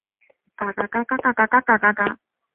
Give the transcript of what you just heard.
西南悬钩子是蔷薇科悬钩子属的植物。